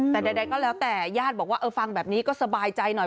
แต่ใดก็แล้วแต่ญาติบอกว่าเออฟังแบบนี้ก็สบายใจหน่อย